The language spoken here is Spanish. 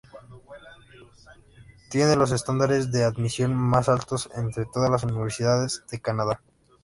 Tiene los estándares de admisión más altos entre todas las universidades de Canadá.